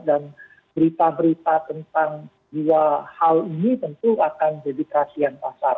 berita berita tentang dua hal ini tentu akan jadi perhatian pasar